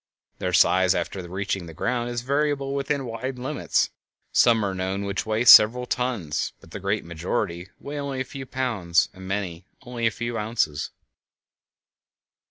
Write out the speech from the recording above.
Their size after reaching the ground is variable within wide limits; some are known which weigh several tons, but the great majority weigh only a few pounds and many only a few ounces.